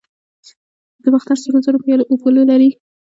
د باختر سرو زرو پیالې اپولو لري